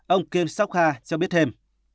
ông kim sokha cho biết thêm